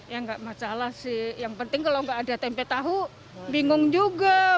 ya nggak masalah sih yang penting kalau nggak ada tempe tahu bingung juga